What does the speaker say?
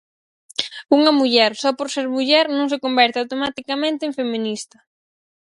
Unha muller, só por ser muller, non se converte automaticamente en feminista.